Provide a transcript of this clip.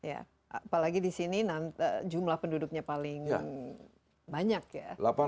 apalagi di sini jumlah penduduknya paling banyak ya